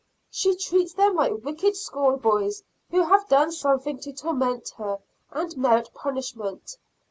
She treats them like wicked school boys who have done something to torment her and merit punishment.